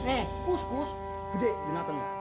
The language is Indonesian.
eh kus kus gede binatang